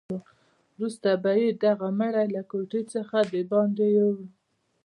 وروسته به یې دغه مړی له کوټې څخه دباندې یووړ.